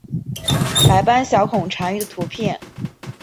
白斑小孔蟾鱼的图片